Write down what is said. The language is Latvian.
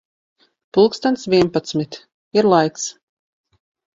Pulkstens vienpadsmit. Ir laiks.